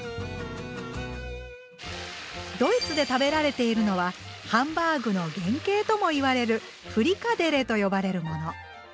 ドイツで食べられているのはハンバーグの原型とも言われるフリカデレと呼ばれるもの。